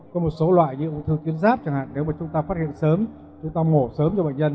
có một số loại như ung thư tuyến giáp chẳng hạn nếu mà chúng ta phát hiện sớm chúng ta mổ sớm cho bệnh nhân